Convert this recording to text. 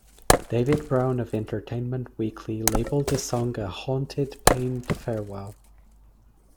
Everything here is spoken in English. David Browne of "Entertainment Weekly" labeled the song "a haunted, pained farewell".